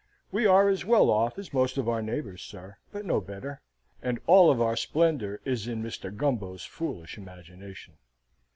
We are as well off as most of our neighbours, sir, but no better; and all our splendour is in Mr. Gumbo's foolish imagination.